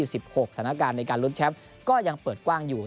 สถานการณ์ในการลุ้นแชมป์ก็ยังเปิดกว้างอยู่